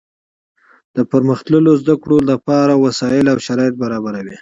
د پرمختللو زده کړو له پاره وسائل او شرایط برابروي.